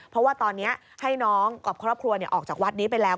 เพราะว่าตอนนี้ให้น้องกับครอบครัวออกจากวัดนี้ไปแล้ว